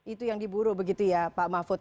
itu yang diburu begitu ya pak mahfud